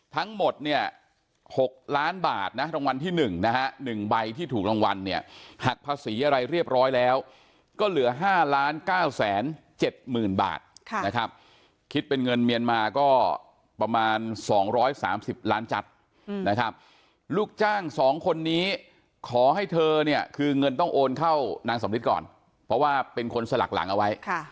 ทั้งหมดเนี่ยหกล้านบาทนะฮะรางวัลที่หนึ่งนะฮะหนึ่งใบที่ถูกรางวัลเนี่ยหักภาษีอะไรเรียบร้อยแล้วก็เหลือห้าล้านเก้าแสนเจ็ดหมื่นบาทนะครับคิดเป็นเงินเมียนมาก็ประมาณสองร้อยสามสิบล้านจัดนะครับลูกจ้างสองคนนี้ขอให้เธอเนี่ยคือเงินต้องโอนเข้านางสมฤทธิ์ก่อนเพราะว่าเป็นคนสลักหลังเอ